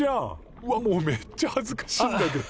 うわもうめっちゃはずかしいんだけど。